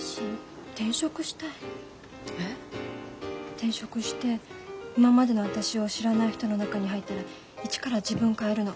転職して今までの私を知らない人の中に入ったら一から自分を変えるの。